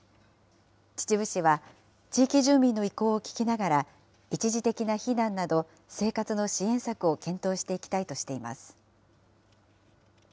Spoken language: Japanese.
秩父市は、地域住民の意向を聞きながら、一時的な避難など、生活の支援策を検討していきたいとしています。